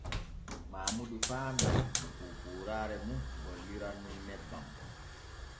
Maamudu faamii no poopooraare mum golliran nun nebban.